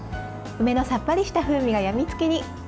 梅のさっぱりした風味がやみつきに。